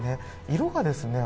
色がですね。